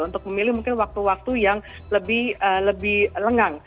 untuk memilih mungkin waktu waktu yang lebih lengang